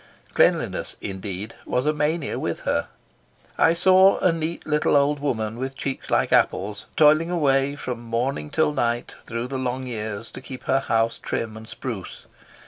Cleanliness, indeed, was a mania with her. I saw a neat little old woman, with cheeks like apples, toiling away from morning to night, through the long years, to keep her house trim and spruce.